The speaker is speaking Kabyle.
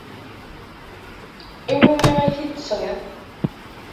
I wumi ay t-id-tesɣiḍ?